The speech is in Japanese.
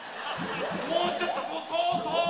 もうちょっとこうそうそう。